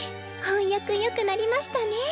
翻訳よくなりましたね。